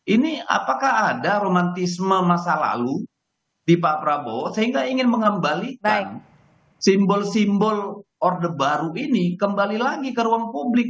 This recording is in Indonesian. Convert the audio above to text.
ini apakah ada romantisme masa lalu di pak prabowo sehingga ingin mengembalikan simbol simbol orde baru ini kembali lagi ke ruang publik